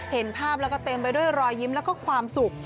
เห็นภาพแล้วก็เต็มไปด้วยรอยยิ้มแล้วก็ความสุข